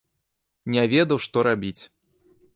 Не ведаў, што рабіць.